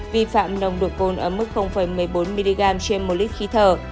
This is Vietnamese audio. vi phạm nồng độ cồn ở mức một mươi bốn mg trên một lít khí thở